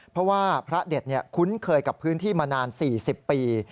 เพราะว่าพระเด็ดคุ้นเคยกับพื้นที่มานาน๔๐ปี